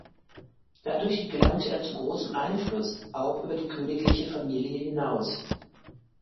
Dadurch gelangte er zu großem Einfluss auch über die königliche Familie hinaus.